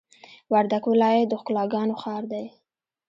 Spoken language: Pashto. وردګ ولایت د ښکلاګانو ښار دی!